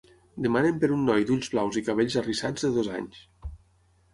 Demanen per un noi d’ulls blaus i cabells arrissats de dos anys.